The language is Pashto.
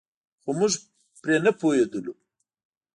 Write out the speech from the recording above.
خو موږ پرې نه پوهېدلو.